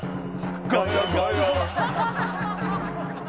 ガヤ！ガヤ！」